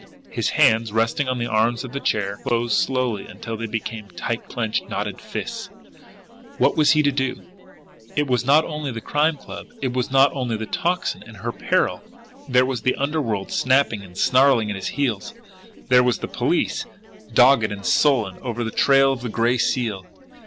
His hands, resting on the arms of the chair, closed slowly until they became tight clenched, knotted fists. What was he to do? It was not only the Crime Club, it was not only the Tocsin and her peril there was the underworld snapping and snarling at his heels, there was the police, dogged and sullen, ever on the trail of the Gray Seal!